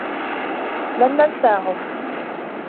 لن ننساهم.